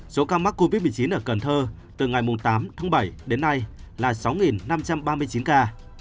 số ca mắc covid một mươi chín ở cần thơ từ ngày tám tháng bảy đến nay là sáu năm trăm ba mươi chín ca